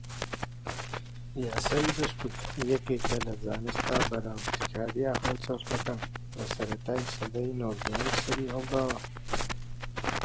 کەمێک یارمەتیم لە ئێوە دەوێت.